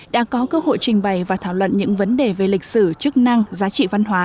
đã có cơ hội trình bày và thảo luận những vấn đề về lịch sử chức năng giá trị văn hóa